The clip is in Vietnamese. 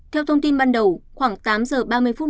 theo thông tin ban đầu khoảng tám giờ ba mươi phút